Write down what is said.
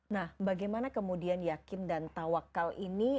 nah bagaimana kemudian yakin dan tawakal ini